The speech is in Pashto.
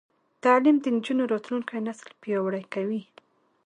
تعلیم د نجونو راتلونکی نسل پیاوړی کوي.